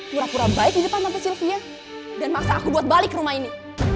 pura pura baik di depan sampai sylvia dan maksa aku buat balik ke rumah ini